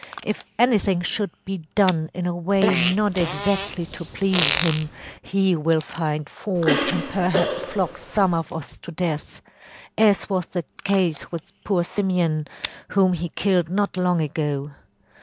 If anything should be done in a way not exactly to please him he will find fault and perhaps flog some of us to death‚ÄĒas was the case with poor Simeon, whom he killed not long ago.